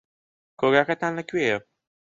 کۆگاکەتان لەکوێیە؟